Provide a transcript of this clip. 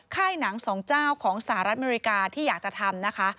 ค่ายหนังสองเจ้าของสหรัฐอเมริกาที่อยากจะทำนะคะ